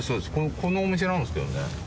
このお店なんですけどね。